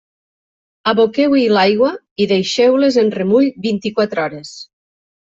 Aboqueu-hi l'aigua i deixeu-les en remull vint-i-quatre hores.